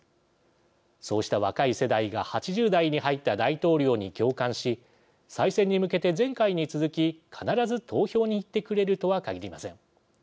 そうした若い世代が８０代に入った大統領に共感し再選に向けて前回に続き必ず投票に行ってくれるとは限りません。